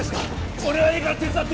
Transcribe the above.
俺はいいから手伝って！